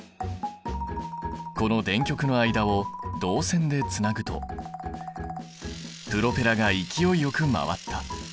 この電極の間を導線でつなぐとプロペラが勢いよく回った。